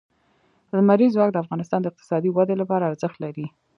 لمریز ځواک د افغانستان د اقتصادي ودې لپاره ارزښت لري.